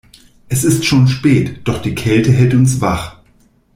Es ist schon spät, doch die Kälte hält uns wach.